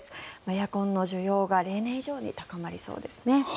エアコンの需要が例年以上に高まりそうですね。